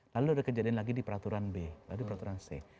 lalu ada kejadian lagi di peraturan b lalu peraturan c